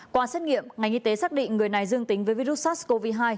qua xét nghiệm ngành y tế xác định người này dương tính với virus sars cov hai